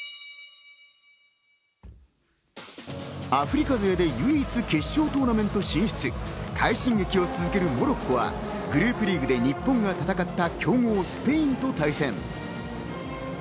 アフリカ勢で唯一決勝トーナメント進出、快進撃を続けるモロッコはグループリーグで日本が戦った強豪スペインと対戦。